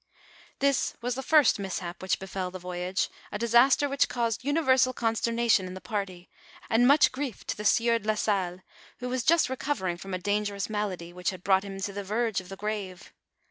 This was the first mishap which befell the voyage ; a dis aster which caused universal consternation in the party, and much grief to the sieur de la Salle, who was just recovering from a dangerous malady, which had brought him to the verge of the grave.